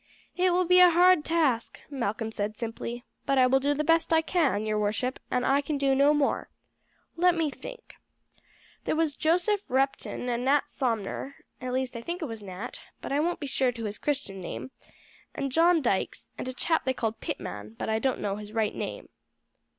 "It will be a hard task," Malcolm said simply; "but I will do the best I can, your worship, and I can do no more. Let me think, there was Joseph Repton and Nat Somner at least I think it was Nat, but I won't be sure to his Christian name and John Dykes, and a chap they called Pitman, but I don't know his right name."